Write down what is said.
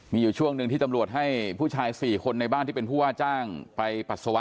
มีอยู่ช่วงหนึ่งที่ตำรวจให้ผู้ชาย๔คนในบ้านที่เป็นผู้ว่าจ้างไปปัสสาวะ